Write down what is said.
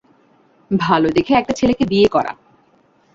ভালো দেখে একটা ছেলেকে বিয়ে করা।